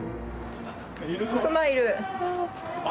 クマいる。